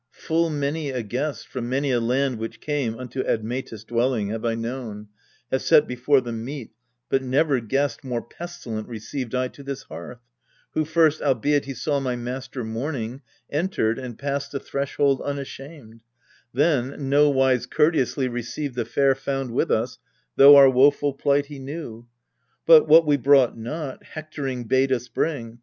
Full many a guest, from many a land which came Unto Admetus' dwelling, have I known, Have set before them meat : but never guest More pestilent received I to this hearth : Who first, albeit he saw my master mourning, Entered, and passed the threshold unashamed ; Then, nowise courteously received the fare Found with us, though our woeful plight he knew, But, what we brought not, hectoring bade us bring.